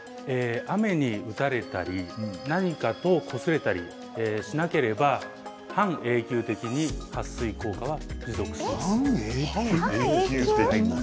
雨に打たれたり何かこすれたりしなければ半永久的に、はっ水効果は持続します。